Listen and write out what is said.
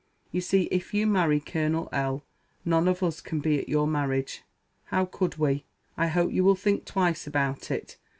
You see, if you marry Colonel L. none of us can be at your marriage. How could we? I hope you will think twice about it.